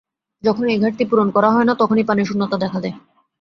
যখন এই ঘাটতি পূরণ করা হয় না, তখনই পানিশূন্যতা দেখা দেয়।